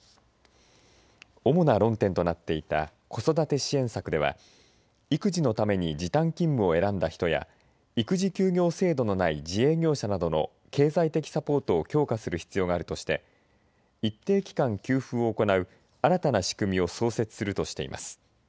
主な論点となっていた子育て支援策では育児のために時短勤務を選んだ人や育児休業制度のない自営業者などの経済的サポートを強化する必要があるとして一定期間給付を行う新たな設置を創設するとしています。